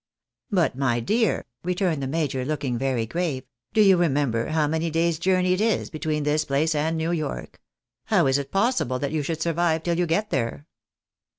" Bu.t, my dear," returned the major, looking very grave, " do you remember how many day's journey it is between this place and New York ? How is it possible that you should survive till you get there?"